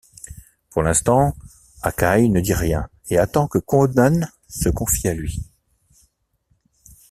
Pour l'instant, Akai ne dit rien et attend que Conan se confie à lui.